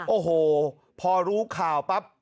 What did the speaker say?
โอ้โหพอรู้ข่าวปั๊บ